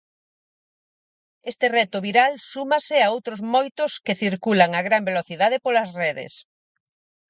Este reto viral súmase a outros moitos que circulan a gran velocidade polas redes.